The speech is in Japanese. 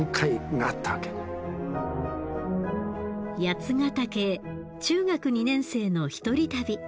八ヶ岳へ中学２年生の一人旅。